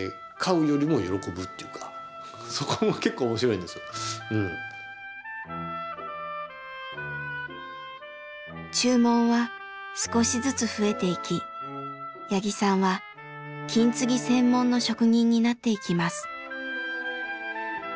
なんていうか注文は少しずつ増えていき八木さんは金継ぎ専門の職人になっていきます。